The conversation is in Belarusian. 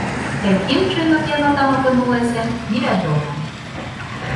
Якім чынам яно там апынулася, невядома.